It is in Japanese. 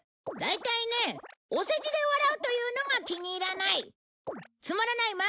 大体ねお世辞で笑うというのが気に入らない！